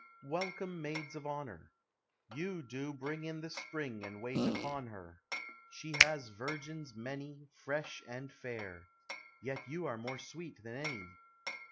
Welcome, maids of honor! You doe bring In the Spring, And wait upon her. She has virgins many, Fresh am! fairej Yet yon arc More sweet than nny.